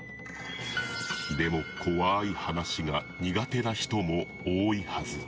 でも、怖い話が苦手な人も多いはず。